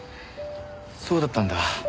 そうだったんだ。